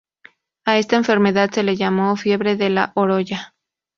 A esta enfermedad se le llamó "Fiebre de la Oroya".